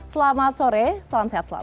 selamat sore salam sehat selalu